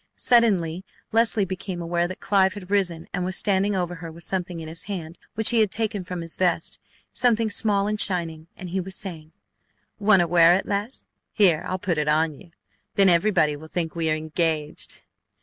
Suddenly Leslie became aware that Clive had risen and was standing over her with something in his hand which he had taken from his vest, something small and shining, and he was saying: "Want to wear it, Les? Here, I'll put it on you, then everybody will think we are engaged